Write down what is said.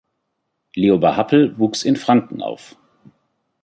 Lioba Happel wuchs in Franken auf.